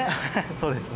そうですね。